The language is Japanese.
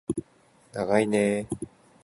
ながいねー